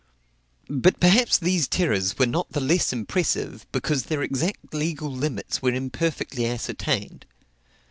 But perhaps these terrors were not the less impressive, because their exact legal limits were imperfectly ascertained.